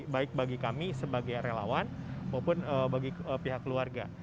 baik bagi kami sebagai relawan maupun bagi pihak keluarga